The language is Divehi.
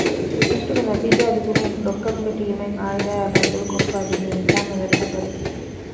ޓެސްޓުގެ ނަތީޖާ ލިބުމުން ޑޮކްޓަރުންގެ ޓީމެއް ޢާއިލާއާ ބައްދަލުކޮށްފައިދިނީ ހިތާމަމަވެރި ހަބަރެއް